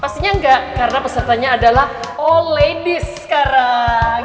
pastinya enggak karena pesertanya adalah all ladies sekarang